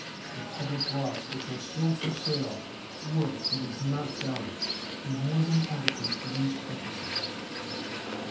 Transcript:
The public lots which are still for sale would, it is not doubted, be more than adequate for these purposes.